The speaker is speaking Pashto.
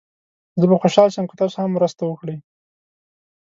زه به خوشحال شم که تاسو هم مرسته وکړئ.